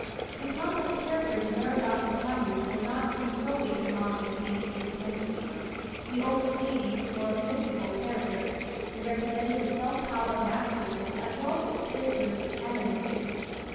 The complex characters of Merodach and Tammuz were not due solely to the monotheistic tendency: the oldest deities were of mystical character, they represented the "Self Power" of Naturalism as well as the spirit groups of Animism.